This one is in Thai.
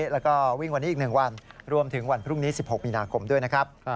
แล้วก็วิ่งวันนี้อีก๑วันรวมถึงวันพรุ่งนี้๑๖มีนาคมด้วยนะครับ